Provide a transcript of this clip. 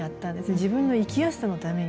自分の生きやすさのために。